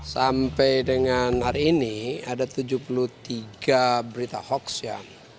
sampai dengan hari ini ada tujuh puluh tiga berita hoax ya